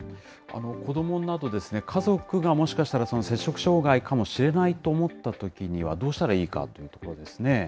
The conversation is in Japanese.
子どもなど、家族がもしかしたら、摂食障害かもしれないと思ったときには、どうしたらいいかということですね。